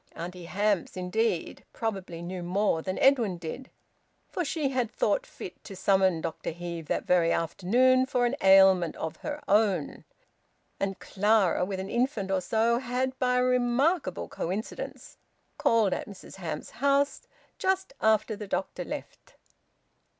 Auntie Hamps, indeed, probably knew more than Edwin did, for she had thought fit to summon Dr Heve that very afternoon for an ailment of her own, and Clara, with an infant or so, had by a remarkable coincidence called at Mrs Hamps's house just after the doctor left.